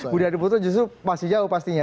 budi adiputro justru masih jauh pastinya